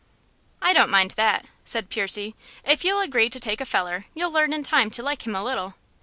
"I don't mind that," said Percy, "if you'll agree to take a feller; you'll learn in time to like him a little.